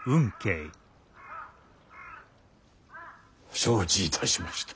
承知いたしました。